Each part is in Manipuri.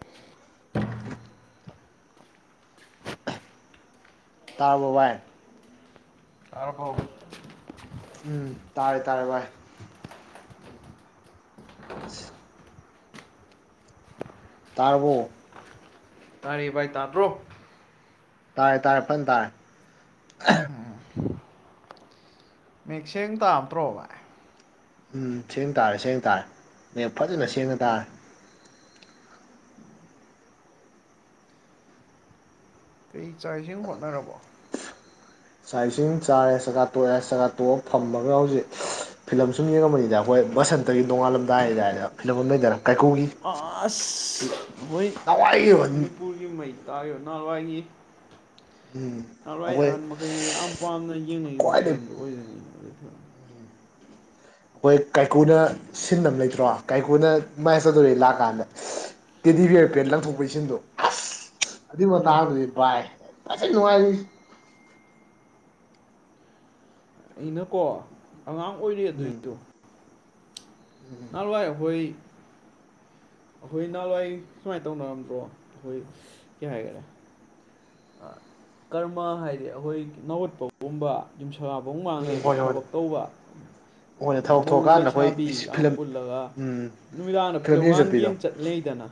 [inaudible] ꯇꯥꯕ ꯋꯥꯏ ꯇꯥꯔꯕꯣ ꯎꯝ ꯇꯥꯔꯦ ꯇꯥꯔꯦ ꯚꯥꯏ [inaudible] ꯇꯥꯔꯕꫭ ꯇꯥꯌꯦ ꯚꯥꯏ ꯇꯥꯗ꯭ꯔꯣ ꯇꯥꯔꯦ ꯇꯥꯔꯦ ꯐꯟ ꯇꯥꯏ ꯃꯌꯦꯛ ꯁꯦꯡ ꯇꯥꯗꯔꯣ ꯚꯥꯏ ꯎꯝ ꯁꯦꯡꯅ ꯇꯥꯔꯦ ꯁꯦꯡꯅ ꯇꯥꯔꯦ ꯃꯌꯦꯛ ꯐꯖꯅ ꯁꯦꯡꯅ ꯇꯥꯔꯦ ꯀꯩ ꯆꯥꯛ ꯏꯁꯤꯡ ꯍꯣꯠꯅꯔꯕꯣ ꯁꯥꯏꯁꯤꯡ ꯆꯥꯔꯦ ꯆꯀꯥ ꯇꯣꯛꯑꯦ ꯆꯒꯥꯥ ꯇꯣꯛꯑꯒ ꯐꯝꯃꯒ ꯍꯧꯖꯤꯛ ꯐꯤꯂꯝ ꯁꯨꯝ ꯌꯦꯡꯉꯕꯅꯤꯗ ꯑꯩꯈꯣꯏ ꯕꯁꯟꯇꯒꯤ ꯅꯣꯡꯉꯥꯜꯂꯝꯗꯥꯏ ꯍꯥꯏꯗꯥꯏꯗ ꯐꯤꯂꯝ ꯑꯃ ꯂꯩꯗꯅ ꯀꯥꯏꯀꯨꯒꯤ ꯑꯥꯁ ꯍꯣꯏ ꯅꯍꯥꯟꯋꯥꯏꯒꯤꯕ ꯎꯝ ꯃꯅꯤ ꯄꯨꯔꯒꯤ ꯃꯩ ꯇꯥꯔꯤꯌꯣ ꯅꯍꯥꯟꯋꯥꯏꯏꯤ ꯅꯔꯥꯏ ꯑꯩꯈꯣꯏ ꯑꯍꯜ ꯃꯈꯩꯅ ꯌꯥꯝ ꯄꯥꯝꯅ ꯌꯦꯡꯅꯤꯈꯤꯕ ꯈ꯭ꯋꯥꯏꯗꯩ ꯐꯤꯂꯝꯗꯨ ꯑꯣꯏꯗꯅꯤꯡꯉꯤ ꯐꯤꯂꯝ ꯑꯩꯈꯣꯏ ꯀꯥꯏꯀꯨꯅ ꯁꯤꯟꯅꯕ ꯂꯩꯇ꯭ꯔꯣ ꯀꯥꯏꯀꯨꯅ ꯃꯥꯏꯌꯆꯧꯗ‌ꯣ ꯔꯤ ꯂꯥꯛ ꯑ ꯀꯥꯟꯗ ꯇꯦꯗꯤꯕꯤꯌꯔ ꯄꯦꯟ ꯎꯝ ꯂꯪꯊꯣꯛꯄ ꯏꯁꯤꯟꯗꯣ ꯑꯁ ꯑꯗꯨꯏ ꯎꯝ ꯃꯇꯥꯡꯗꯨꯗꯤ ꯚꯥꯏ ꯐꯖꯅ ꯋꯥꯏꯌꯦ ꯑꯩꯅꯀꯣ ꯑꯉꯥꯡ ꯑꯣꯏꯔꯦ ꯎꯝ ꯑꯗꯨꯏꯗꯣ ꯅꯋꯥꯏ ꯑꯩ ꯍꯣꯏ ꯑꯩꯈꯣꯏ ꯅꯍꯥꯟꯋꯥꯏ ꯁꯨꯃꯥꯏꯅ ꯇꯧꯅꯔꯝꯗ꯭ꯔꯣ ꯑꯩꯈꯣꯏ ꯀꯩ ꯍꯥꯏꯒꯔꯦ ꯀꯔꯃ ꯍꯥꯏꯗꯤ ꯑꯩꯈꯣꯏ ꯅꯥꯋꯠꯄ ꯄꯨꯝꯕ ꯌꯨꯝꯁꯐꯧ ꯎꯝ ꯃꯥꯡꯂꯦꯗꯤ ꯍꯣꯏ ꯍꯣꯏ ꯊꯕꯛ ꯇꯧꯕ ꯍꯣꯏꯅꯦ ꯊꯕꯛ ꯃꯎ ꯊꯣꯛꯑꯀꯥꯟꯗ ꯑꯩꯈꯣꯏ ꯂꯩꯁꯥꯕꯤꯒ ꯌꯥꯝ ꯐꯤꯂꯝ ꯄꯨꯜꯂꯒ ꯎꯝ ꯅꯨꯃꯤꯗꯥꯡꯗ ꯐꯤꯂꯝ ꯐꯤꯂꯝꯉꯥꯡ ꯆꯠꯄꯤꯗꯣ ꯌꯦꯡ ꯆꯠ ꯂꯩꯗꯅ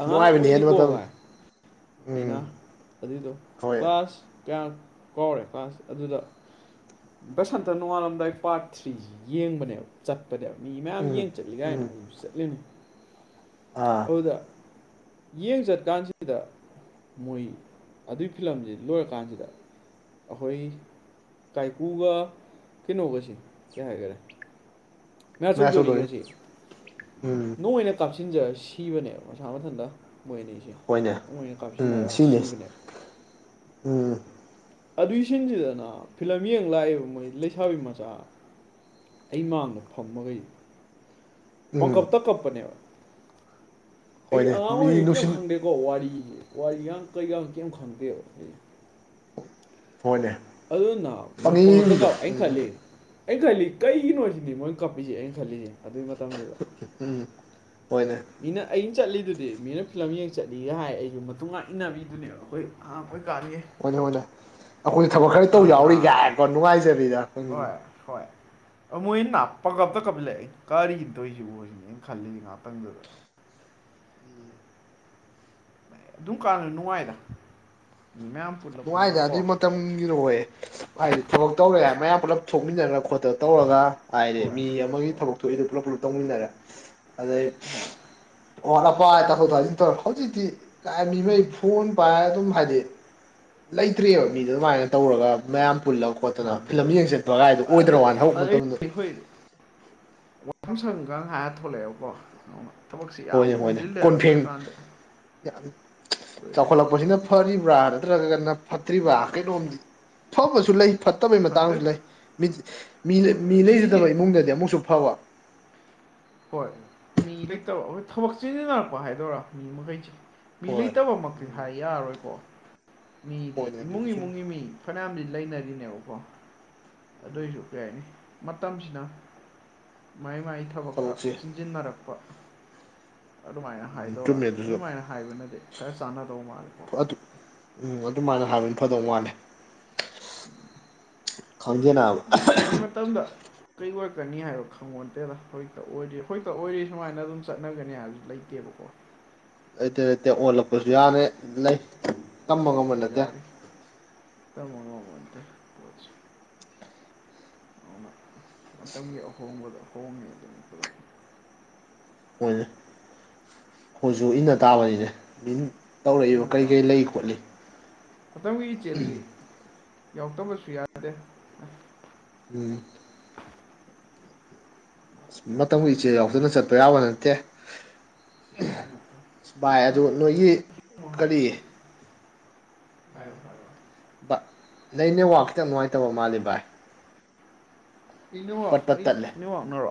ꯑꯉꯥꯡ ꯅꯨꯡꯉꯥꯏꯕꯅꯤꯍꯦ ꯑꯗꯨ ꯑꯣꯏꯔꯤꯀꯣ ꯃꯇꯝ ꯚꯥꯏ ꯎꯝ ꯑꯩꯅ ꯑꯗꯨꯏꯗꯣ ꯍꯣꯏ ꯀ꯭ꯂꯥꯁ ꯀꯌꯥ ꯀꯧꯔꯦ ꯀ꯭ꯂꯥꯁ ꯑꯗꯨꯗ ꯕꯁꯟꯇ ꯅꯣꯡꯉꯥꯜꯂꯝꯗꯥꯏ ꯄꯥꯔꯠ ꯊ꯭ꯔꯤꯁꯤ ꯌꯦꯡꯕꯅꯦꯕ ꯆꯠꯄꯅꯦꯕ ꯃꯤ ꯃꯌꯥꯝ ꯎꯝ ꯌꯦꯡ ꯆꯠꯂꯤ ꯀꯥꯏꯅ ꯎꯝ ꯑꯩꯁꯨ ꯆꯠꯂꯤꯅꯤ ꯑꯥ ꯑꯗꯨꯗ ꯌꯦꯡ ꯆꯠꯀꯥꯟꯁꯤꯗ ꯃꯣꯏ ꯑꯗꯨꯒꯤ ꯐꯤꯂꯝꯖ‌ꯦ ꯂꯣꯏꯔꯀꯥꯟꯁꯤꯗ ꯑꯈꯣꯏ ꯀꯥꯏꯀꯨꯒ ꯀꯩꯅꯣꯒꯁꯤ ꯀꯩ ꯍꯥꯏꯒꯔꯦ ꯃꯌꯥ ꯃꯌꯥꯆꯧꯗꯣꯔꯤ ꯆꯧꯗꯣꯔꯤ ꯒꯦꯁꯤ ꯎꯝ ꯅ‌ꯣꯏꯔ ꯀꯥꯞꯁꯤꯟꯖꯔꯒ ꯁꯤꯕꯅꯦꯕ ꯃꯁꯥ ꯃꯊꯟꯇ ꯃꯣꯏ ꯑꯅꯤꯁꯤ ꯍ‌ꯣꯏꯅꯦ ꯎꯝ ꯁꯤꯅꯤ ꯎꯝ ꯑꯗꯨꯏꯁꯤꯟꯁꯤꯗꯅ ꯐꯤꯂꯝ ꯌꯦꯡ ꯂꯥꯛꯏꯕ ꯃꯣꯏ ꯂꯩꯁꯥꯕꯤ ꯃꯆꯥ ꯑꯩ ꯃꯥꯡꯗ ꯐꯝꯃꯒꯩ ꯎꯝ ꯄꯪꯀꯞꯇ ꯀꯞꯄꯅꯦꯕ ꯑꯩ ꯍꯣꯏꯅꯦ ꯑꯉꯥꯡ ꯃꯤ ꯑꯣꯏꯔꯤꯉꯩ ꯀꯩꯝ ꯅꯨꯡꯁꯤꯟ ꯈꯪꯗꯦꯀꯣ ꯋꯥꯔꯤꯒꯤ ꯋꯥꯔꯤꯒ ꯀꯩꯌꯥꯡ ꯀꯩꯝ ꯈꯪꯗꯦꯕ ꯑꯩ ꯐꯣꯟꯅꯦ ꯑꯗꯨꯅ ꯃꯣꯏ ꯄꯪꯉꯛꯀꯗ ꯑꯩ ꯈꯜꯂꯤ ꯑꯩꯅ ꯈꯜꯂꯤ ꯀꯩꯒꯤꯅꯣꯁꯤꯅꯤ ꯃꯣꯏꯅ ꯀꯞꯄꯤꯁꯦ ꯑꯩꯅ ꯈꯜꯂꯤꯁꯦ ꯑꯗꯨꯏ ꯃꯇꯝꯗꯨꯗ ꯎꯝ ꯍꯣꯏꯅꯦ ꯃꯤꯅ ꯑꯩꯅ ꯆꯠꯂꯤꯗꯨꯗꯤ ꯃꯤꯅ ꯐꯤꯂꯝ ꯌꯦꯡ ꯆꯠꯂꯤꯒ ꯍꯥꯏ ꯑꯩꯁꯨ ꯃꯇꯨꯡ ꯉꯥꯛ ꯏꯟꯅꯕꯤꯗꯨꯅꯦꯕ ꯑꯩꯈꯣꯏ ꯑꯉꯥꯡꯑ‌‌ꯣꯏ ꯀꯥꯟꯒꯤ ꯍꯣꯏꯅꯦ ꯍꯣꯏꯅꯦ ꯑꯩꯈꯣꯏꯅ ꯊꯕꯛ ꯈꯔ ꯑ ꯇꯧ ꯅꯥ ꯌꯥꯎꯔꯤꯒꯏꯀꯣ ꯅꯨꯡꯉꯥꯏꯖꯕꯤꯗ‌ꯣ ꯑꯩꯈꯣꯏꯒꯤ ꯍꯣꯏ ꯍꯣꯏ ꯃꯣꯏꯅ ꯄꯀꯞ ꯇ ꯀꯞꯂꯛꯏ ꯀꯔꯤ ꯇ‌ꯣꯏꯁꯤꯕ‌ꯣꯅ ꯈꯜꯂꯤ ꯉꯥꯇꯪꯗꯨꯗ ꯑꯗꯨꯝ ꯀꯥꯟꯅ ꯅꯨꯡꯉꯥꯏꯗ ꯃꯤ ꯃꯌꯥꯝ ꯄꯨꯜꯂ ꯍꯅꯨꯡꯥꯏꯗ ꯄꯨꯜꯂ ꯀꯣ ꯑꯗꯨꯏ ꯃ ꯇꯝꯒꯤꯅꯣ ꯑꯣꯏꯌꯦ ꯍꯥꯏꯗꯤ ꯊꯕꯛ ꯇꯧꯔꯦ ꯍꯥꯏ ꯃꯌꯥꯝ ꯄꯨꯜꯂꯞ ꯊꯣꯛꯃꯤꯟꯅꯔꯒ ꯈꯣꯠꯇꯅ ꯇꯧꯔꯒ ꯍꯥꯏꯔꯦ ꯍꯣꯏ ꯃꯤ ꯑꯃꯒꯤ ꯍꯣꯏ ꯊꯕꯛ ꯊꯣꯛꯏꯗꯣ ꯄꯨꯂꯞ ꯄꯨꯂꯞ ꯇꯧꯃꯤꯟꯅꯔꯦ ꯑꯗꯩ ‌ꯍ‌ꯣꯏ ꯑꯣ ꯅꯄꯥꯏ ꯇꯥꯊꯣꯛ ꯇꯥꯁꯤꯟ ꯇꯧꯔꯦ ꯍꯧꯖꯤꯛꯇꯤ ꯀꯥꯏ‌ ꯃꯤꯃꯩ ꯐ‌ꯣꯟ ꯄꯥꯏ ꯑꯗꯨꯝ ꯍꯥꯏꯗꯤ ꯂꯩꯇ꯭ꯔ‌ꯦꯕ ꯃꯤꯗꯨ ꯑꯗꯨꯃꯥꯏꯅ ꯇꯧꯔꯒ ꯃꯌꯥꯝ ꯄꯨꯜꯂ ꯈꯣꯠꯇꯅ ꯃꯥꯅꯦ ꯐꯤꯂꯝ ꯃꯥꯅꯦ ꯌꯦꯡ ꯆꯠꯄ ꯀꯥꯏꯗꯣ ꯑꯣꯏꯗ꯭ꯔ ꯑꯗ ꯋꯥꯅ ꯍꯧꯔꯛꯄ ꯃꯇꯝꯗ [unintelligible] ꯋꯥꯐꯝ ꯁꯪꯒ ꯍꯥꯏꯔ ꯊꯣꯛꯂꯛꯑꯦꯕꯀꯣ ꯊꯕꯛꯁꯤ ꯌꯥꯝ ꯍꯣꯏꯅꯦ ꯍꯣꯏꯅꯦ ꯀꯣꯝꯁꯤꯜꯂꯦꯗ ꯑꯩꯈꯣꯏ ꯀꯣꯟꯐꯦꯡ ꯀꯥꯟꯗ ꯌꯥꯝ ꯆꯥꯎꯈꯠꯂꯛꯄꯁꯤꯅ ꯐꯔꯤꯕ꯭ꯔꯥ ꯅꯠꯇ꯭ꯔꯒꯅ ꯐꯠꯇ꯭ꯔꯤꯕ꯭ꯔꯥ ꯀꯩꯅꯣꯝꯗꯤ ꯐꯕꯁꯨ ꯂꯩ ꯐꯠꯇꯕꯩ ꯈꯪꯗꯦ ꯃꯇꯥꯡꯁꯨ ꯂꯩ ꯃꯤꯃꯤ ꯃꯤ ꯂꯩꯖꯗꯕ ꯁꯤꯁꯤ ꯏꯃꯨꯡꯗꯗꯤ ꯑꯃꯨꯛꯁꯨ ꯐꯕ ꯍꯣꯏ ꯃꯤ ꯂꯩꯇꯕ ꯍ‌ꯣꯏ ꯊꯕꯛ ꯆꯤꯟꯖꯤꯟꯅꯔꯛꯄ ꯍꯥꯏꯗꯣꯏꯔꯥ ꯃꯤ ꯃꯈꯩꯁꯤ ꯃꯤ ꯍꯣꯏ ꯂꯩꯇꯕ ꯃ ꯎꯝ ꯍꯥꯏ ꯌꯥꯔꯔꯣꯏꯀꯣ ꯃꯤꯗꯤ ꯍꯣꯏꯅꯦ ꯏꯃꯨꯡ ꯑꯗꯨꯁꯨ ꯁꯨꯝ ꯏꯃꯨꯡꯒꯤ ꯃꯤ ꯐꯅꯌꯥꯝꯗꯤ ꯂꯩꯅꯔꯤꯅꯦꯕꯀꯣ ꯑꯗꯨꯏꯁꯨ ꯀꯩꯍꯥꯏꯅꯤ ꯃꯇꯝꯁꯤꯅ ꯃꯥꯏ ꯃꯥꯏ ꯊꯕꯛꯇ ꯊꯕꯛꯁꯦ ꯆꯤꯟꯖꯤꯟꯅꯔꯛꯄ ꯑꯗꯨꯃꯥꯏꯅ ꯎꯝ ꯍꯥꯏꯗꯧꯔ ꯆꯨꯝꯃꯦ ꯑꯗꯨꯁꯨ ꯑꯗꯨꯃꯥꯏꯅ ꯍꯥꯏꯕꯅꯗꯤ ꯈꯔ ꯆꯥꯟꯅꯗꯧ ꯃꯥꯂꯦꯀꯣ ꯑꯗꯨ ꯎꯝ ꯑꯗꯨꯃꯥꯏꯅ ꯍꯥꯏꯕꯅ ꯐꯗꯧ ꯃꯥꯜꯂꯦ ꯈꯪꯗ‌ꯦ ꯅꯥꯕ ꯑꯩꯈꯣꯏ ꯃꯇꯝꯗ ꯀꯩ ꯑꯣꯏꯔꯛꯀꯅꯤ ꯍꯥꯏꯕ ꯈꯪꯉꯣꯟꯇꯦꯗ ꯍꯧꯖꯤꯛꯇ ꯑꯣꯏꯔꯤ ꯍꯧꯖꯤꯛꯇ ꯑꯣꯏꯔꯤ ꯁꯨꯃꯥꯏꯅ ꯑꯗꯨꯝ ꯆꯠꯅꯒꯅꯤ ꯍꯥꯏꯕꯁꯨ ꯂꯩꯇꯦꯕꯀꯣ ꯂꯩꯇ‌ꯦ ꯂꯩꯇꯦ ꯑꯣꯜꯂꯛꯄꯁꯨ ꯌꯥꯅ ꯂꯩ ꯇꯝꯕ ꯉꯝꯕ ꯑꯣꯟꯂꯛꯄꯁꯨ ꯅꯠꯇꯦ ꯌꯥꯔꯤ [unintelligible] ꯃꯟꯗ‌ꯦ [unintelligible] ꯑꯗꯨꯅ ꯃꯇꯝꯒꯤ ꯑꯍꯣꯡꯕꯗꯣ ꯍꯣꯡꯉꯤꯉꯩꯗꯅ‌ꯦ ꯄꯨꯂꯞ ꯍ‌ꯣꯏ ꯑꯩꯈ‌ꯣꯏꯁꯨ ꯏꯟꯅ ꯇꯥꯕꯅꯤꯅ‌ꯦ ꯃꯤꯟ ꯇꯧꯔꯛꯏꯕ ꯏꯟꯅ ꯀꯔꯤ ꯀꯔꯤ ꯇꯥꯕ ꯂꯩ ꯈꯣꯠꯂꯤ ꯃꯇꯝꯒꯤ ꯏꯆ‌ꯦꯜꯁꯤ ꯌꯥꯎꯔꯛꯇꯕꯁꯨ ꯌꯥꯗꯦ ꯎꯝ ꯑꯁ ꯃꯇꯝꯒꯤ ꯏꯆꯦꯜ ꯌꯥꯎꯗꯅ ꯆꯠꯄ ꯌꯥꯕ ꯅꯠꯇꯦ ꯀꯩꯅꯣ ꯑꯁ ꯚꯥꯏ ꯑꯗꯨ ꯅꯣꯏꯒꯤ ꯀꯔꯤ ꯍꯥꯏꯕꯗꯨꯗꯤ [unintelligible] ꯚ ꯂꯩ ꯅꯦꯠꯋꯥꯛ ꯈꯤꯇꯪ ꯅꯨꯡꯉꯥꯏꯇꯕ ꯃꯥꯜꯂ‌ꯦ ꯚꯥꯏ ꯏꯅꯦꯋꯥꯛ ꯄꯠ ꯄꯠ ꯑꯩ ꯇꯠꯂꯦ ꯅ‌ꯦꯋꯥꯛꯅꯔꯣ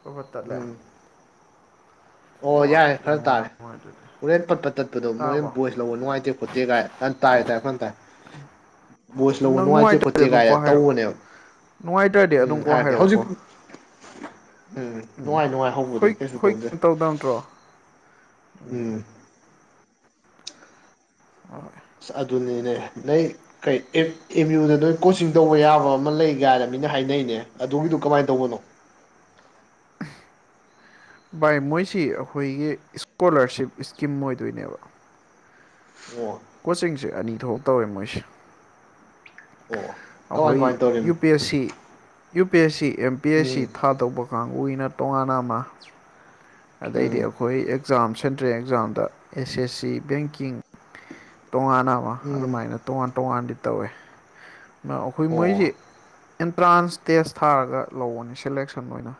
ꯐꯔꯐꯠ ꯇꯠꯂꯦ ꯎꯝ ꯑꯣ ꯅꯦꯠꯋꯥꯛꯁꯤ ꯌꯥꯔꯦ ꯈꯤꯇꯪ ꯈꯔ ꯇꯥꯔꯦ ꯅꯨꯡꯉꯥꯏꯔꯝꯃꯣꯏ ꯑꯗꯨꯗꯤ ꯍꯣꯔꯦꯟ ꯄꯠꯄꯠ ꯇꯠꯄꯗꯣ ꯇꯥꯔꯕꯣ ꯃꯣꯏꯅ ꯚꯣꯏꯁ ꯂꯧꯕ ꯅꯨꯡꯉꯥꯏꯇꯦ ꯈꯣꯠꯇꯦ ꯀꯥꯏ ꯍꯟ ꯇꯥꯏ ꯇꯥꯏꯌꯦ ꯐꯅ ꯇꯥꯏ ꯚꯣꯏꯁ ꯎ [unintelligible] ꯂꯧꯕ ꯅꯪ ꯅꯨꯡꯉꯥꯏꯇꯦ ꯅꯨꯡꯉꯥꯏꯇꯔꯗꯤ ꯈꯣꯠꯇꯦ ꯑꯗꯨꯝꯀꯣ ꯀꯥꯏꯅ ꯍꯥꯏꯔꯛꯑꯣ ꯇꯧꯕꯅꯦꯕ ꯅꯨꯡꯉꯥꯏꯇꯔꯗꯤ ꯎꯝ ꯑꯗꯨꯝꯀꯣꯛ ꯍꯥꯏꯔꯛꯀꯦ ꯍꯧꯖꯤꯛ ꯍꯥꯏꯔꯛꯑꯣꯀꯣ ꯎꯝ ꯅꯨꯡꯉꯥꯏ ꯅꯨꯡꯉꯥꯏ ꯍꯧꯕꯗꯤ ꯍꯨꯏ ꯀꯩꯁꯨ ꯍꯨꯏ ꯇꯧꯗꯦ ꯀꯩꯝ ꯇꯧꯗꯝ ꯅꯠꯇ꯭ꯔꯣ ꯎꯝ ꯑꯣꯏ ꯑꯁ ꯑꯗꯨꯅꯤꯅꯦ ꯅꯣꯏ ꯀꯩ ꯑꯦꯝ ꯑꯦꯝꯌꯨꯗꯥ ꯅꯣꯏ ꯀꯣꯆꯤꯡ ꯇꯧꯕ ꯌꯥꯕ ꯑꯃ ꯂꯩ ꯀꯥꯏꯅ ꯃꯤꯅ ꯍꯥꯏꯅꯩꯅꯦ ꯑꯗꯨꯒꯤꯗꯨ ꯀꯃꯥꯏꯟ ꯇꯧꯕꯅꯣ [unintelligible] ꯚꯥꯏ ꯃꯣꯏꯁꯤ ꯑꯩꯈꯣꯏꯒꯤ ꯏꯁꯀꯣꯂꯔꯁꯤꯞ ꯏꯁꯀꯤꯝ ꯑꯣꯏꯗꯣꯏꯅꯦꯕ ꯑꯣ ꯀꯣꯆꯤꯡꯁꯦ ꯑꯅꯤ ꯊꯣꯛ ꯇꯧꯋ‌ꯦ ꯃꯣꯏꯁꯦ ꯑꯣ ꯀꯃꯥꯏ ꯑꯩꯈꯣꯏ ꯀꯃꯥꯏꯅ ꯇꯧꯔꯤꯝ U P S C U P S C M P S ꯎꯝ ꯁꯤ ꯊꯥꯗꯧꯕ ꯀꯥꯡꯕꯨꯨꯒꯤꯅ ꯇꯣꯉꯥꯟꯅꯥ ꯑꯃꯥ ꯎꯝ ꯑꯗꯩꯗꯤ ꯑꯩꯈꯣꯏ ꯑꯦꯛꯖꯥꯝ ꯁꯦꯟꯇ꯭ꯔꯦꯜ ꯑꯦꯛꯖꯥꯝꯗ ꯑꯦꯁ ꯑꯦꯁ ꯁꯤ ꯕꯦꯡꯀꯤꯡ ꯇꯣꯉꯥꯟꯅ ꯑꯃꯥ ꯎꯝ ꯑꯗꯨꯃꯥꯏꯅ ꯇꯣꯉꯥꯟ ꯇꯣꯉꯥꯟꯗꯤ ꯇꯧꯋꯦ ꯑꯗꯨꯅꯥ ꯑꯩꯈꯣꯏ ꯑꯣ ꯃꯣꯏꯖꯤ ꯑꯦꯟꯇ꯭ꯔꯥꯟꯁ ꯇꯦꯁ ꯊꯥꯔꯒ ꯂꯧꯕꯅꯤ ꯁꯦꯂꯦꯛꯁꯟ ꯑꯣꯏꯅ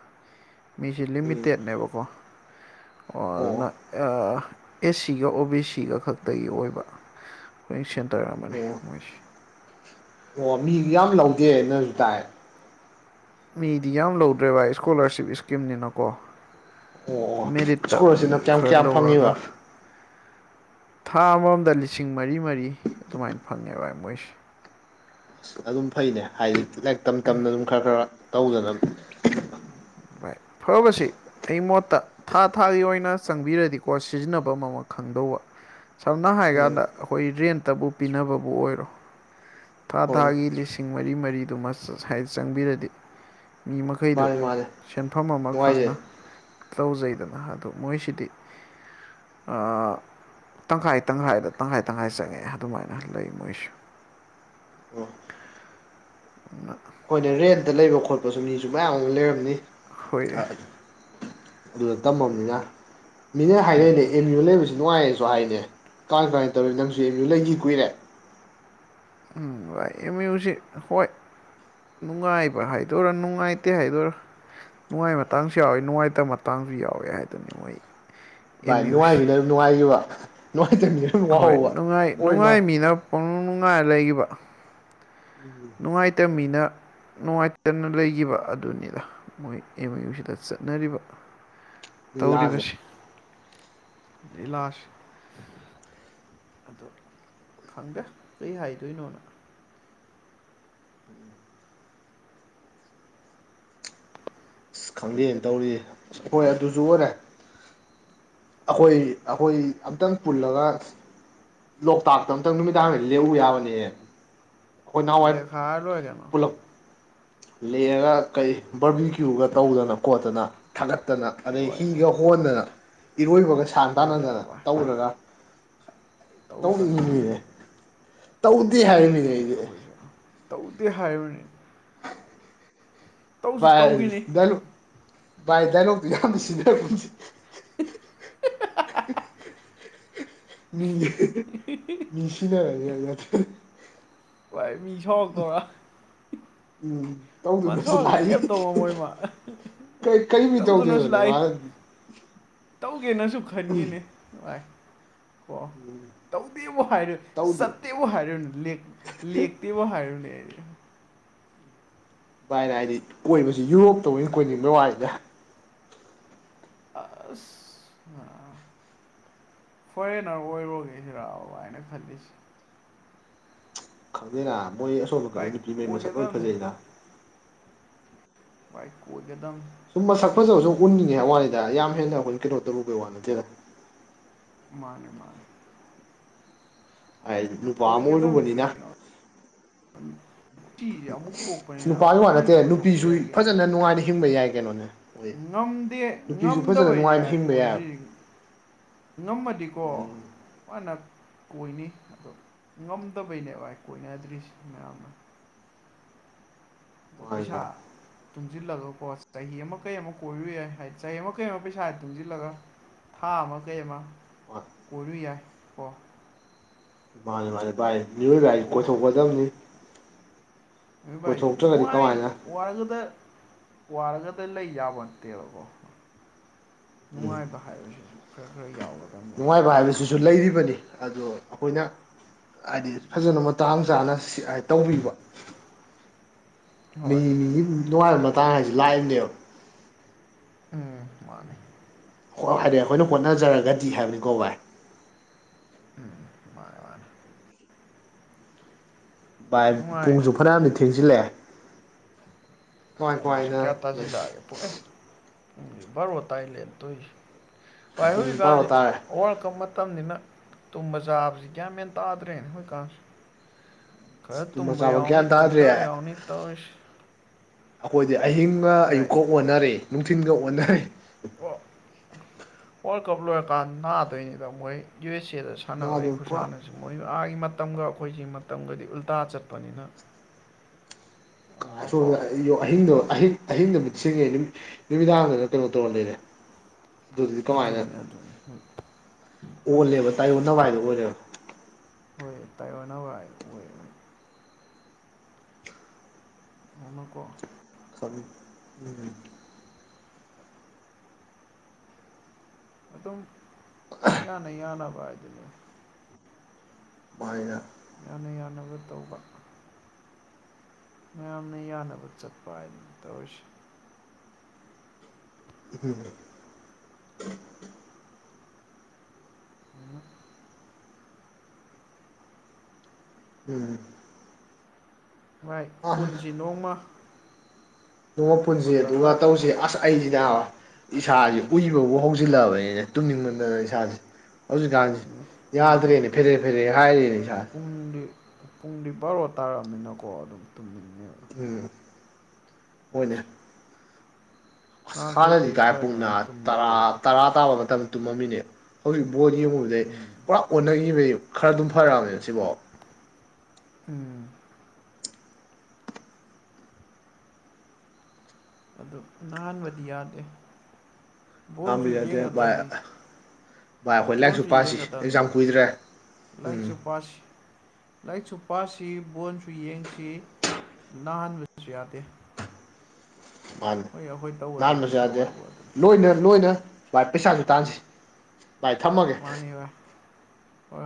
ꯃꯤꯁꯦ ꯎꯝ ꯂꯤꯃꯤꯇꯦꯠꯅꯦꯕꯀꯣ ꯑꯣ ꯑꯗꯨꯅ ꯑꯦꯁ ꯁꯤ ꯒꯥ ꯑꯣ ꯕꯤ ꯁꯤ ꯒꯥ ꯈꯛꯇꯒꯤ ꯑꯣꯏꯕ ꯃ‌ꯣꯏ ꯁꯦꯟꯇꯔ ꯑꯃꯅꯤ ꯑꯣ ꯃꯣꯏꯁꯤ ꯑꯣ ꯃꯤ ꯌꯥꯝ ꯂꯧꯗꯦꯅꯁꯨ ꯇꯥꯏ ꯃꯤꯗꯤ ꯌꯥꯝ ꯂꯧꯗ꯭ꯔꯦ ꯚꯥꯏ ꯏꯁꯀꯣꯂꯔꯁꯤꯞ ꯏꯁꯀꯤꯝꯅꯤꯅꯥ ꯀꯣ꯫ ꯑꯣ ꯑꯣ ꯃꯦꯔꯤꯠꯇ ꯃꯤ ꯏꯁꯀꯣꯂꯔꯁꯤꯞꯅ ꯀꯌꯥꯝ ꯈꯔꯥ ꯀꯌꯥꯝ ꯂꯧꯔꯥꯒ ꯐꯪꯉꯤꯕ ꯊꯥ ꯑꯥꯃꯝ ꯑꯥꯃꯝꯗꯥ ꯂꯤꯁꯤꯡ ꯃꯔꯤ ꯃꯔꯤ ꯑꯗꯨꯃꯥꯏꯅ ꯐꯪꯉꯦꯕ ꯃꯣꯏꯁꯦ ꯑꯁ ꯑꯗꯨꯝ ꯐꯩꯅꯦ ꯍꯥꯏꯗꯤ ꯂꯥꯏꯔꯤꯛ ꯇꯝ ꯇꯝꯅ ꯑꯗꯨꯝ ꯈꯔꯥ ꯈꯔꯥ ꯇꯧꯖꯥ ꯅꯥꯕ ꯍꯣꯏ ꯐꯥꯕꯁꯤ ꯑꯩ ꯃꯣꯠꯇ ꯊꯥ ꯊꯥꯒꯤ ꯑꯣꯏꯅ ꯆꯪꯕꯤꯔꯗꯤꯀꯣ ꯁꯤꯖꯤꯟꯅꯕ ꯑꯃꯥ ꯈꯪꯗꯧꯕ ꯀꯩꯅ‌ꯣ ꯍꯥꯏ ꯀꯥꯟꯗ ꯎꯝ ꯑꯩꯈꯣꯏ ꯔꯦꯟꯇꯕꯨ ꯄꯤꯅꯕꯕꯨ ꯑꯣꯏꯔꯣ ꯊꯥ ꯍꯣꯏꯅꯦ ꯊꯥꯒꯤ ꯂꯤꯁꯤꯡ ꯃꯔꯤ ꯃꯔꯤꯗꯨꯃ ꯆꯪꯕꯤꯔꯗꯤ ꯃꯤ ꯃꯈꯩꯗꯨ ꯃꯥꯅꯦ ꯃꯥꯅꯦ ꯁꯦꯟꯐꯝ ꯑꯃ ꯈꯪꯅ ꯅꯨꯡꯉꯥꯏꯖꯩ ꯇꯧꯖꯩꯗꯅ ꯑꯗꯨ ꯃꯣꯏꯁꯤꯗꯤ ꯑꯥ ꯇꯪꯈꯥꯏ ꯇꯪꯈꯥꯏꯗ ꯇꯪꯈꯥꯏ ꯇꯪꯈꯥꯏ ꯆꯪꯉꯛꯑꯦ ꯑꯗꯨꯃꯥꯏꯅ ꯂꯩ ꯃꯣꯏꯁꯨ ꯑꯣ ꯎ [unintelligible] ꯍꯣꯏ ꯅꯦ ꯔꯦꯟꯇꯥ ꯂꯩꯕ ꯈꯣꯠꯄꯁꯨ ꯃꯤꯁꯨ ꯃꯌꯥꯝ ꯑꯃ ꯂꯩꯔꯝꯅꯤ ꯍꯣꯏ ꯑꯗꯨꯗ ꯇꯝꯃꯕꯅꯤꯅ ꯃꯤꯅ ꯍꯥꯏꯔꯛ ꯏꯅꯦ ꯑꯦꯝ ꯌꯨ ꯂꯩꯕꯁꯤ ꯅꯨꯡꯉꯥꯏꯔꯦꯁꯨ ꯍꯥꯏꯅꯦ ꯀꯃꯥꯏ ꯀꯃꯥꯏ ꯇꯧꯔꯤ ꯅꯪꯁꯨ ꯑꯦꯝꯌꯨ ꯂꯩꯈꯤ ꯀꯨꯏꯔꯦ ꯎꯝ ꯑꯦꯝꯌꯨ ꯁꯦ ꯍꯣꯏ ꯅꯨꯡꯉꯥꯏꯕ ꯍꯥꯏꯗꯣꯏꯔꯥ ꯅꯨꯡꯉꯥꯏꯇꯦ ꯍꯥꯏꯗꯣꯏꯔꯥ ꯅꯨꯡꯉꯥꯏ ꯃꯇꯥꯡꯁꯨ ꯌꯥꯎꯋꯦ ꯅꯨꯡꯉꯥꯏꯇꯕ ꯃꯇꯥꯡꯁꯨ ꯌꯥꯎꯋꯦ ꯍꯥꯏꯗꯨꯅꯤ ꯍꯣꯏ ꯕꯥꯏ ꯅꯨꯡꯉꯥꯏꯃꯤꯅ ꯑꯗꯨꯝ ꯅꯨꯡꯉꯥꯏꯒꯤꯕꯥ ꯅꯨꯡꯉꯥꯏ ꯇꯥꯒꯅ ꯍꯣꯏ ꯅꯨꯡꯉꯥꯏ ꯅꯨꯡꯉꯥꯏ ꯃꯤꯅ ꯄꯪꯡꯅꯨꯡ ꯅꯨꯡꯉꯥꯏꯔ ꯂꯩꯒꯤꯕ ꯎꯝ ꯅꯨꯡꯉꯥꯏꯇꯥ ꯃꯤꯅꯥ ꯅꯨꯡꯉꯥꯏꯇꯅ ꯂꯩꯈꯤꯕ ꯑꯗꯨꯅꯤꯗ ꯃꯣꯏ ꯑꯦꯝꯌꯨ ꯁꯤꯗ ꯆꯠꯅꯔꯤꯕ ꯇꯧꯔꯤꯕꯥ ꯂꯤꯂꯥꯁꯦ ꯁꯤ ꯂꯤꯂꯥ ꯁꯤ ꯑꯗꯣ ꯈꯪꯗꯦ ꯀꯩ ꯍꯥꯏꯗꯣꯏꯅꯣꯅ [unintelligible] ꯑꯁ ꯈꯪꯗꯦꯑꯅꯦ ꯇꯧꯔꯤꯖꯦ ꯍꯣꯏ ꯑꯗꯨꯁꯨ ꯑꯣꯏꯔꯦ ꯑꯩꯈꯣꯏ ꯑꯩꯈꯣꯏ ꯑꯝꯇꯪ ꯄꯨꯜꯂꯒ ꯂꯣꯛꯇꯥꯛꯇ ꯑꯝꯇꯪ ꯅꯨꯃꯤꯗꯥꯡꯗ ꯂꯦꯛꯎ ꯌꯥꯕꯅꯦ ꯑꯩꯈꯣꯏ ꯅꯍꯥꯟꯋꯥꯏ ꯂꯦꯛꯀꯥꯏꯔꯒ ꯂꯣꯏꯔꯦ ꯀꯩꯅꯣ ꯂꯦꯛꯉꯥꯒ ꯀꯩ ꯕꯔꯕꯤ ꯀ꯭ꯌꯨꯒ ꯇꯧꯗꯅ ꯈꯣꯠꯇꯅ ꯊꯥꯒꯠꯇꯅ ꯑꯗꯩ ꯍꯣꯏꯅꯦ ꯍꯤꯒ ꯍꯣꯟꯗꯅ ꯏꯔꯣꯏꯕꯒ ꯏꯁꯥꯟ ꯍꯣꯏꯅꯦ ꯇꯥꯟꯅꯗꯅ ꯚꯥꯏ ꯇꯧꯔꯒ ꯇꯧꯗꯅ ꯇꯧꯅꯤꯡꯉꯅꯦ ꯇꯧꯗꯦ ꯍꯥꯏꯕꯅꯤꯅꯦ ꯇꯧꯅꯤꯡꯉꯤꯕꯅꯦ ꯑꯩꯁꯦ ꯑꯩꯈꯣꯏꯁꯨ ꯇꯧꯗꯦ ꯍꯥꯏꯕꯅꯤ ꯚꯥꯥꯏ ꯇꯧꯈꯤꯅꯤ ꯗꯅꯣꯞ ꯚꯥꯏ ꯗꯥꯏꯂꯛ ꯌꯥꯝ ꯁꯤꯗꯒꯨꯝꯁꯦ [unintelligible] ꯃꯤ ꯃꯤꯁꯤꯅ [inaudible] ꯚꯥꯏ ꯃꯤ ꯁꯥꯎꯇꯧꯗꯣ ꯎꯝ ꯇꯧꯗꯨꯅꯁꯨ ꯃꯟꯁꯁꯨ ꯂꯥꯛꯏ ꯀꯩꯃ ꯇꯧꯔꯝ ꯃꯣꯏꯃ ꯀꯩ ꯀꯔꯤꯃꯤ ꯇꯧꯗꯨꯅꯁꯨ ꯇꯧꯗꯣꯏꯅꯣꯅꯦ ꯂꯥꯛꯏ ꯃꯥꯅ ꯇꯧꯒꯦꯅꯁꯨ ꯈꯟꯈꯤꯅꯦ ꯅꯨꯉꯥꯏ ꯀ‌ꯣ ꯇꯧꯗꯦꯕꯣ ꯍꯥꯏꯔꯣ ꯇꯧꯗꯦ ꯆꯠ ꯇꯦꯕꯨ ꯍꯥꯔꯎꯅꯦ ꯂꯦ ꯂꯦꯄ ꯌ‌ꯦꯕꯨ ꯍꯥꯔꯌꯅꯦ ꯑꯦ ꯚꯥꯏꯅ ꯍꯥꯏꯗꯤ ꯀꯣꯏꯕꯁꯤ ꯌꯨꯔꯣꯞꯇꯧꯕꯅ ꯀꯣꯏꯅꯤꯡꯕ ꯋꯥꯏꯗ ꯑꯁ ꯑꯥ ꯐꯣꯔꯦꯟꯅꯔ ꯑꯣꯏꯔꯣꯒꯦ ꯑꯣ ꯍꯥꯏꯅ ꯈꯜꯂꯤꯁꯤ ꯈꯪꯗꯦꯅ ꯃꯣꯏ ꯑꯁꯣꯜꯅꯀꯗꯤ ꯚꯥꯏ ꯅꯨꯄꯤ ꯉꯩ ꯃꯁꯛ ꯂꯣꯏꯅ ꯀꯣꯏꯒꯗꯕꯅꯤ ꯐꯖꯩꯗ ꯕꯥꯏ ꯀꯣꯏꯒꯗꯝꯕ ꯁꯨꯝ ꯃꯁꯛ ꯐꯖꯕ ꯁꯨꯝ ꯎꯟꯅꯤꯡꯉꯦ ꯍꯥꯏ ꯋꯥ ꯋꯥꯔꯤꯅꯤꯗ ꯌꯥꯝ ꯍꯦꯟꯅ ꯑꯩꯈꯣꯏꯅ ꯀꯩꯅꯣ ꯇꯧꯔꯨꯕꯩ ꯋꯥ ꯅꯠꯇꯦꯗ ꯃꯥꯅꯦ ꯃꯥꯅꯦ ꯍꯥꯏ ꯅꯨꯄꯥ ꯑꯃ ꯑꯣꯏꯔꯨꯕꯅꯤꯅ ꯎꯝ ꯅꯨꯄꯥꯒꯤ ꯋꯥ ꯅꯠꯇꯦ ꯀꯣꯏꯊꯣꯛꯄ ꯅꯨꯄꯤꯁꯨ ꯌꯥꯏ ꯀꯩꯅꯣ ꯐꯖꯅ ꯅꯨꯡꯉꯥꯏꯅ ꯍꯤꯡꯕ ꯌꯥꯏ ꯀꯩꯅꯣꯅꯦ ꯍꯣꯏ ꯉꯝꯗꯦ ꯅꯨꯄꯤꯁꯨ ꯐꯖꯅ ꯉꯝꯗꯕꯩꯅꯦ ꯅꯨꯡꯉꯥꯏꯅ ꯚꯥꯏ ꯍꯤꯡꯕ ꯀꯣꯏꯗ꯭ꯔꯤ ꯌꯥꯏꯕ ꯉꯝꯃꯗꯤꯀꯣ ꯎꯝ ꯃꯥꯅ ꯀꯣꯏꯅꯤ ꯑꯗꯣ ꯉꯝꯗꯕꯩꯅꯦ ꯚꯥꯏ ꯀꯣꯏꯅꯗ꯭ꯔꯤꯁꯤ ꯃꯌꯥꯝꯅ ꯑꯗꯣ ꯄꯩꯁꯥ ꯃꯥꯅꯤꯅ ꯇꯨꯡꯖꯤꯜꯂꯒ ꯀꯣ ꯆꯍꯤ ꯑꯃ ꯀꯩ ꯑꯃ ꯀꯣꯏꯔꯨ ꯌꯥꯏ ꯍꯥꯏꯗꯤ ꯆꯍꯤ ꯑꯃ ꯀꯩ ꯑꯃ ꯄꯩꯁꯥ ꯇꯨꯡꯖꯤꯜꯂꯒ ꯊꯥ ꯑꯃ ꯀꯩꯑꯃ ꯍꯣꯏ ꯀꯣꯏꯔꯨ ꯌꯥꯏ ꯀꯣ ꯃꯥꯅꯤ ꯃꯥꯅꯤ ꯚꯥꯏ ꯃꯤꯑꯣꯏꯕ ꯍꯥꯏꯖꯤ ꯀꯣꯏꯊꯣꯛꯎꯕ ꯀꯣꯏꯊꯣꯛꯀꯗꯝꯅꯤ ꯑꯗꯨ ꯚꯥꯏ ꯅꯨꯡꯉꯥꯏ ꯀꯃꯥꯏꯅ ꯋꯥꯔꯒꯗ ꯋꯥꯔꯒꯗ ꯂꯩ ꯌꯥꯕ ꯅꯠꯇꯦꯕꯀꯣ ꯎꯝ ꯅꯨꯡꯉꯥꯏꯕ ꯍꯥꯏꯕꯁꯤꯁꯨ ꯈꯔ ꯈꯔ ꯌꯥꯎꯒꯗ ꯅꯨꯡꯉꯥꯏꯕ ꯍꯥꯏꯕꯁꯤꯁꯨ ꯂꯩꯔꯤꯕꯅꯤ ꯑꯗꯣ ꯑꯩꯈꯣꯏꯅ ꯍꯥꯏꯗꯤ ꯐꯖꯅ ꯃꯇꯥꯡ ꯆꯥꯅ ꯇꯧꯕꯤꯕ [unintelligible] ꯃꯤ ꯍꯣꯏ ꯃꯤꯒꯤ ꯅꯨꯡꯉꯥꯏꯕ ꯃꯇꯥꯡ ꯍꯥꯏꯁꯤ ꯂꯥꯛꯏꯕꯅꯦꯕ ꯎꯝ ꯃꯥꯅꯦ ꯍ ꯍꯥꯏꯗꯤ ꯑꯩꯈꯣꯏꯅ ꯍꯣꯠꯅꯖꯔꯒꯗꯤ ꯍꯥꯏꯕꯅꯤꯀꯣ ꯚꯥꯏ ꯎꯝ ꯃꯥꯅꯦ ꯃꯥꯅꯦ ꯚꯥꯏ ꯅꯨꯡꯉꯥꯏ ꯄꯨꯡꯁꯨ ꯐꯅꯌꯥꯝꯗꯤ ꯊꯦꯡꯖꯤꯜꯂꯛꯑꯦ ꯀꯃꯥꯏ ꯄꯨꯡꯁꯤ ꯀꯃꯥꯏꯅ ꯀꯌꯥ ꯇꯖꯤꯂꯛꯑꯒꯦ ꯄꯣꯛꯑꯦ ꯄꯨꯡꯖꯦ ꯚꯔꯣ ꯇꯥꯏ ꯂꯩꯝꯃꯦ ꯇꯣꯏꯁꯤ ꯚꯥꯏ ꯄꯨꯡ ꯕꯥꯔꯣ ꯍꯧꯖꯤꯛꯀꯥꯟꯁꯤ ꯇꯥꯔꯦ ꯋꯥꯔꯜ ꯀꯞ ꯃꯇꯝꯅꯤꯅ ꯇꯨꯝꯕ ꯆꯥꯕꯁꯤ ꯒ꯭ꯌꯥꯟꯃꯦꯟ ꯇꯥꯗ꯭ꯔꯦꯅꯦ ꯍꯧꯖꯤꯛꯀꯥꯟꯁꯤ ꯈꯔ ꯇꯨꯝꯕ ꯆꯥꯕ ꯌꯥꯎꯅꯤ ꯒ꯭ꯌꯥꯟ ꯇꯥꯗ꯭ꯔꯦ ꯇꯨꯝꯗ ꯌꯥꯎꯅꯤ ꯇꯧꯔꯤꯁꯤ ꯑꯩꯈꯣꯏꯗꯤ ꯑꯍꯤꯡꯒ ꯚꯥꯏ ꯑꯌꯨꯛꯀ ꯑꯣꯟꯅꯔꯦ ꯅꯨꯡꯊꯤꯟꯒ ꯑꯣꯟꯅꯔꯦ ꯋꯥꯔꯜ ꯀꯞ ꯂꯣꯏꯔꯀꯥꯟꯗ ꯅꯥꯗꯣꯏꯅꯤꯗ ꯃꯣꯏ ꯌꯨ ꯑꯦꯁ ꯑꯦꯗ ꯆꯠ ꯁꯥꯟꯅꯕꯩ ꯅꯥꯕ ꯄꯨꯔꯥ ꯈꯨꯁꯥꯟꯅꯁꯤ ꯃꯣꯏ ꯑꯥꯒꯤ ꯃꯇꯝꯒ ꯑꯩꯈꯣꯏꯁꯤ ꯃꯇꯝꯒꯗꯤ ꯎꯜꯇꯥ ꯆꯠꯄꯅꯤꯅ ꯑꯁꯣꯝꯗ ꯑꯃꯨꯛꯅꯀꯣ ꯑꯍꯤꯌꯣ ꯑꯍꯤꯡꯗꯣ ꯑꯍꯤꯡ ꯑꯍꯤꯡ ꯗ ꯃꯤꯠꯁꯤꯡꯉꯦ ꯅꯨꯃꯤ ꯅꯨꯃꯤꯗꯥꯡꯗꯅ ꯀꯩꯅꯣ ꯇꯧꯔ ꯂꯩꯔꯦ ꯑꯗꯨꯗꯤ ꯀꯃꯥꯏꯅ ꯑꯗꯨꯅꯤ ꯑꯗꯨꯅꯤ ꯍꯣꯏ ꯑꯣꯜꯂꯦꯕ ꯇꯧꯔꯤꯁꯤ ꯇꯥꯏꯌꯣꯟ ꯅꯕ ꯍꯥꯏꯗꯣ ꯑꯣꯏꯔꯦꯕ ꯍꯣꯏ ꯇꯥꯏꯌꯣꯟꯅꯕ ꯥꯏ ꯑꯣꯏ ꯑꯃꯨꯀꯣ ꯈꯕꯤ ꯎꯝ ꯑꯗꯨꯝ ꯌꯥꯅ ꯌꯥꯅꯕ ꯍꯥꯏꯗꯨꯅꯤ ꯃꯥꯥꯏꯅ ꯌꯥꯅ ꯌꯥꯅꯕ ꯇꯧꯕ ꯃꯌꯥꯝꯅ ꯌꯥꯅꯕ ꯆꯠꯄ ꯍꯥꯏꯅ ꯇꯧꯔꯤꯁꯤ ꯎꯝ ꯎꯍꯝ ꯎꯝ ꯚꯥꯏ ꯑꯥ ꯄꯨꯟꯁꯤ ꯅꯣꯡꯃ ꯅꯣꯡꯃ ꯄꯨꯟꯁꯤ ꯄꯨꯜꯂꯒ ꯑꯗꯨꯒ ꯇꯧꯁꯤ ꯑꯁ ꯑꯩꯗꯤ ꯅꯥꯕ ꯏꯁꯥꯥꯖꯦ ꯀꯣꯏꯁꯤ ꯎꯏꯕꯕꯨ ꯍꯧꯖꯤꯜꯂꯛꯑꯕꯅꯤꯅꯦ ꯇꯨꯝꯅꯤꯡꯃꯟꯗꯅ ꯏꯁꯥꯥꯁꯦ ꯍꯧꯖꯤꯛꯀꯥꯟꯁꯤ ꯎꯝ ꯄꯨꯡꯗꯤ ꯌꯥꯗ꯭ꯔꯦꯅꯦ ꯐꯦꯔꯦ ꯐꯦꯔꯦ ꯍꯥꯏꯔꯦꯅꯦ ꯏꯁꯥꯁꯦ ꯄꯨꯡꯗꯤ ꯄꯨꯡꯗꯤ ꯕꯥꯔꯣ ꯇꯥꯔꯛꯑꯝꯅꯤꯅꯀꯣ ꯑꯗꯨꯝ ꯇꯨꯝꯅꯤꯡꯅꯦ ꯎꯝ ꯍꯣꯏꯅꯦ ꯑꯁ ꯅꯍꯥꯟꯈꯩꯗꯒꯤ ꯍꯥꯟꯅꯗꯤꯀꯥꯏ ꯄꯨꯡꯅ ꯐꯅꯕ ꯇꯔ ꯇꯨꯝꯗꯕꯒ ꯇꯔꯥ ꯇꯥꯕ ꯃꯇꯝ ꯇꯨꯝꯃꯝꯃꯤꯅꯦ ꯍꯧꯖꯤꯛ ꯕꯣꯜ ꯌꯦꯡꯉꯨꯕꯗꯩ ꯎꯝ ꯄꯨꯔꯥ ꯑꯣꯟꯅꯒꯤꯕꯩ ꯈꯔ ꯑꯗꯨꯝ ꯐꯔꯛꯑꯝꯅꯦꯕ ꯁꯤꯕꯥꯎ ꯎꯝ ꯑꯗꯨ ꯅꯥꯍꯟꯕꯗꯤ ꯌꯥꯗꯦ ꯕꯣꯟꯖꯨ ꯉꯥꯝꯕꯗꯤ ꯅꯠꯇꯦ ꯚꯥꯏ ꯌꯦꯡꯒꯗꯝꯅꯤ ꯚꯥꯏ ꯑꯩꯈꯣꯏ ꯂꯥꯏꯔꯤꯛꯁꯨ ꯐꯣꯟꯁꯨ ꯄꯥꯁꯤ ꯌꯦꯡꯒꯗꯕꯅꯦ ꯑꯦꯛꯖꯥꯝ ꯀꯨꯏꯗ꯭ꯔꯦ ꯎꯝ ꯂꯥꯏꯔꯤꯛꯁꯨ ꯄꯁꯤ ꯂꯥꯏꯔꯤꯛꯁꯨ ꯄꯥꯁꯤ ꯕꯣꯟꯁꯨ ꯌꯦꯡꯁꯤ ꯅꯥꯍꯟꯕꯁꯨ ꯌꯥꯗꯦ ꯃꯥꯅꯤ ꯍꯣꯏ ꯑꯩꯈꯣꯏ ꯇꯧꯒꯗꯕ ꯅꯥꯟꯕꯁꯨ ꯏꯊꯧ ꯌꯥꯗꯦ ꯍꯥꯏꯕꯨ ꯑꯗꯨꯅꯤ ꯂꯣꯏꯅ ꯂꯣꯏꯅ ꯥꯏ ꯄꯩꯁꯥꯁꯨ ꯇꯥꯟꯁꯤ ꯚꯥꯏ ꯊꯝꯃꯒꯦ ꯃꯥꯅꯤ ꯚꯥꯏ ꯍꯣꯏ